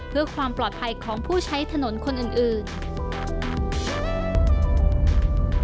เพื่อความปลอดภัยของผู้ใช้ถนนคนอื่น